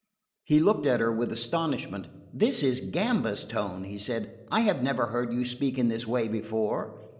He looked at her with astonishment. "This is Gamba's tone," he said. "I have never heard you speak in this way before."